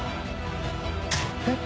「えっ！？